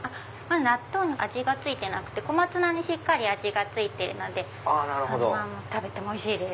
納豆に味が付いてなくて小松菜にしっかり味が付いてるのでそのまま食べてもおいしいです。